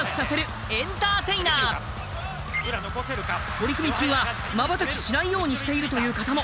取組中はまばたきしないようにしているという方も。